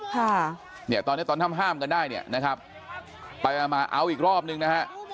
ค่ะเนี่ยตอนเนี้ยตอนห้ามห้ามกันได้เนี่ยนะครับไปมามาเอาอีกรอบนึงนะฮะ